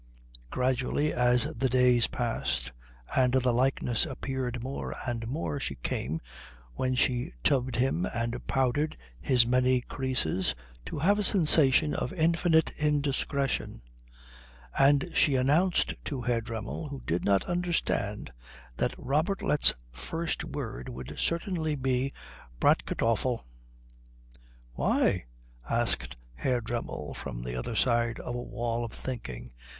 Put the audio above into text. Gradually as the days passed and the likeness appeared more and more she came, when she tubbed him and powdered his many creases, to have a sensation of infinite indiscretion; and she announced to Herr Dremmel, who did not understand, that Robertlet's first word would certainly be Bratkartoffel. "Why?" asked Herr Dremmel, from the other side of a wall of thinking.